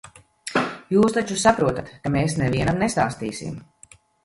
Jūs taču saprotat, ka mēs nevienam nestāstīsim.